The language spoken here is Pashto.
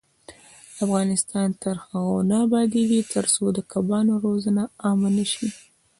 افغانستان تر هغو نه ابادیږي، ترڅو د کبانو روزنه عامه نشي.